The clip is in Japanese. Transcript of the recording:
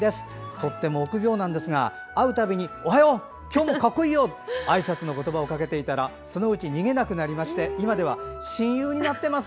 とっても臆病ですが、会うたびにおはよう今日も格好いいよとあいさつの言葉をかけていたらそのうち逃げなくなりまして今では親友になっています。